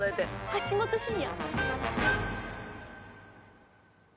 橋本真也。